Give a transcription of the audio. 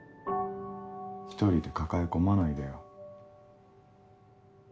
一人で抱え込まないでよ。